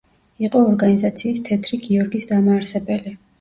იყო ორგანიზაცია „თეთრი გიორგის“ დამაარსებელი.